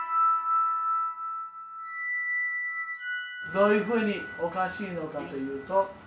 どういうふうにおかしいのかというと。